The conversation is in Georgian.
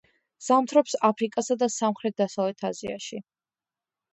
ზამთრობს აფრიკასა და სამხრეთ-დასავლეთ აზიაში.